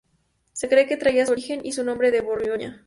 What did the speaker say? Se cree que traían su origen y su nombre de Borgoña.